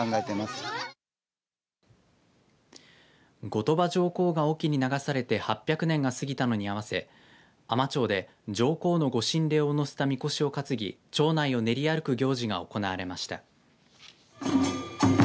後鳥羽上皇が隠岐に流されて８００年が過ぎたのに合わせ海士町で上皇のご神霊をのせたみこしを担ぎ町内を練り歩く行事が行われました。